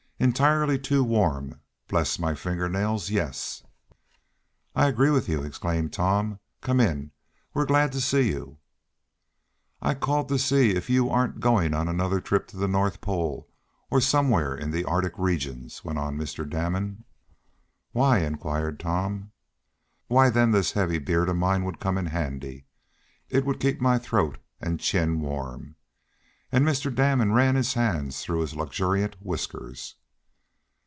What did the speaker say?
"Entirely too warm, bless my finger nails, yes!" "I agree with you!" exclaimed Tom. "Come in! We're glad to see you!" "I called to see if you aren't going on another trip to the North Pole, or somewhere in the Arctic regions," went on Mr. Damon. "Why?" inquired Tom. "Why, then this heavy beard of mine would come in handy. It would keep my throat and chin warm." And Mr. Damon ran his hands through his luxuriant whiskers.